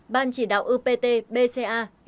ban chỉ đạo upt yêu cầu ban chỉ huy bca